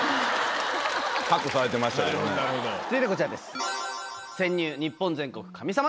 続いてこちらです。